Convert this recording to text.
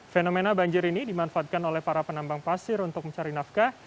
fenomena banjir ini dimanfaatkan oleh para penambang pasir untuk mencari nafkah